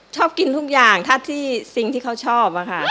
ชอบกินทุกอย่างถ้าที่สิ่งที่เขาชอบอะค่ะ